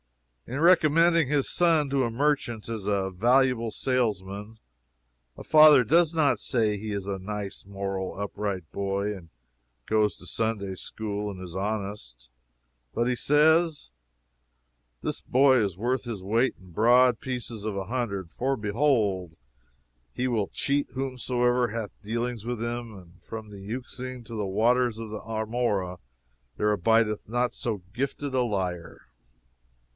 In recommending his son to a merchant as a valuable salesman, a father does not say he is a nice, moral, upright boy, and goes to Sunday School and is honest, but he says, "This boy is worth his weight in broad pieces of a hundred for behold, he will cheat whomsoever hath dealings with him, and from the Euxine to the waters of Marmora there abideth not so gifted a liar!"